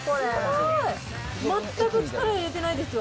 全く力入れてないですよ。